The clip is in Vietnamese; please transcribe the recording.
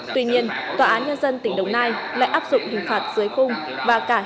tuy nhiên tòa án nhân dân tỉnh đồng nai lại áp dụng hình phạt dưới khung và cả hình phạt tiền